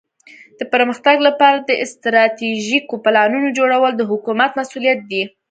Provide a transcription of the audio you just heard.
د پرمختګ لپاره د استراتیژیکو پلانونو جوړول د حکومت مسؤولیت دی.